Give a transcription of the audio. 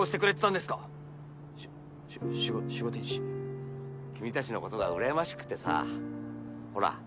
しゅ守護天使君たちのことがうらやましくてさほら